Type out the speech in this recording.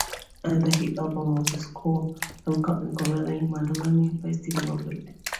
Another hit album was the score from "Captain Corelli's Mandolin" by Stephen Warbeck.